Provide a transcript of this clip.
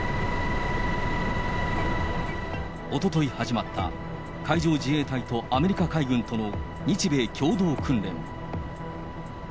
おととい始まった海上自衛隊とアメリカ海軍との日米共同訓練。